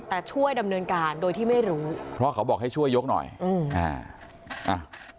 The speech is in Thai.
แต่ช่วยดำเนินการโดยที่ไม่รู้เพราะเขาบอกให้ช่วยยกหน่อยอืมอ่า